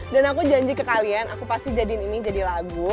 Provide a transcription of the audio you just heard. dan aku janji ke kalian aku pasti jadiin ini jadi lagu